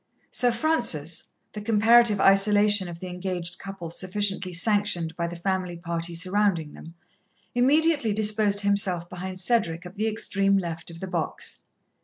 Sir Francis, the comparative isolation of the engaged couple sufficiently sanctioned by the family party surrounding them, immediately disposed himself behind Cedric at the extreme left of the box.